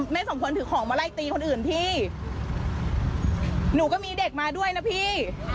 สมพลถือของมาไล่ตีคนอื่นพี่หนูก็มีเด็กมาด้วยนะพี่